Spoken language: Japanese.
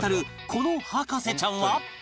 この博士ちゃんは